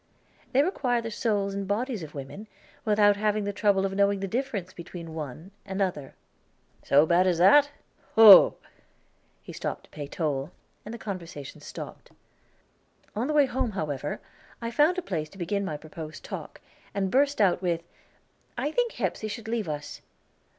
"They require the souls and bodies of women, without having the trouble of knowing the difference between the one and other." "So bad as that? Whoa!" He stopped to pay toll, and the conversation stopped. On the way home, however, I found a place to begin my proposed talk, and burst out with, "I think Hepsey should leave us."